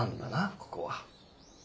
ここは。